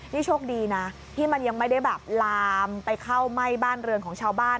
นี่โชคดีนะที่มันยังไม่ได้แบบลามไปเข้าไหม้บ้านเรือนของชาวบ้าน